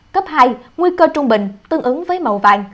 cấp hai nguy cơ trung bình tương ứng với màu vàng